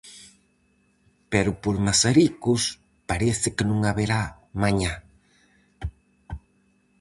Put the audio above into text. Pero por Mazaricos parece que non haberá mañá.